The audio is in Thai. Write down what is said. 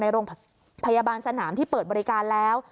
โรงพยาบาลสนามที่เปิดบริการแล้ว